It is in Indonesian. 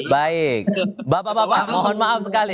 baik bapak bapak mohon maaf sekali